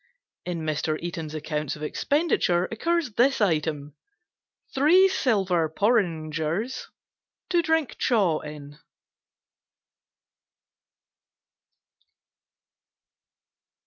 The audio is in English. In Mr. Eaton's accounts of expenditure occurs this item: "Three silver porringiys to drink chaw in."